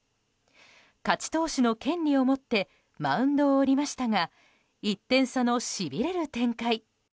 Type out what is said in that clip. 勝ち投手の権利を持ってマウンドを降りましたが１点差のしびれる展開。